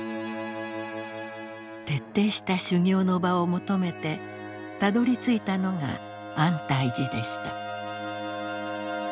徹底した修行の場を求めてたどりついたのが安泰寺でした。